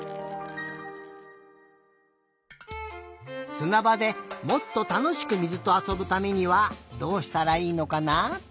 すなばでもっとたのしく水とあそぶためにはどうしたらいいのかな？